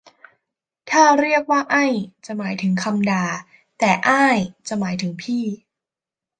ถ้าเรียกว่าไอ้ จะหมายถึงคำด่า แต่อ้ายจะหมายถึงพี่